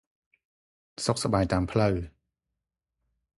សុខសប្បាយតាមផ្លូវ។